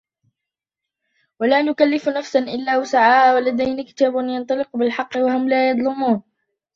ولا نكلف نفسا إلا وسعها ولدينا كتاب ينطق بالحق وهم لا يظلمون